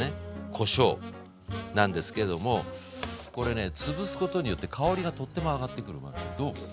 こしょうなんですけどもこれねつぶすことによって香りがとっても上がってくる真海ちゃんどう思う？